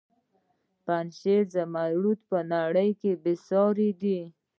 د پنجشیر زمرد په نړۍ کې بې ساري دي